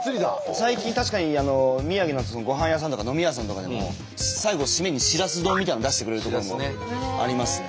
最近確かに宮城のごはん屋さんとか飲み屋さんとかでも最後締めにしらす丼みたいなの出してくれるとこもありますね。